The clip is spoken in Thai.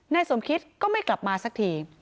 นายสมคิตก็ไม่กลับมาซักที